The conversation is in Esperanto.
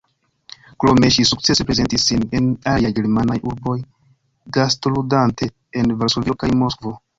Krome ŝi sukcese prezentis sin en aliaj germanaj urboj gastludante en Varsovio kaj Moskvo.